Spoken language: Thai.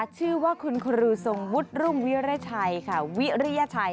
ชื่อว่าคุณครูสงวุฒิรุริญชัย